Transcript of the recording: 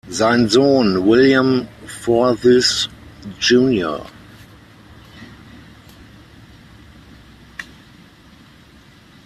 Sein Sohn William Forsyth Jr.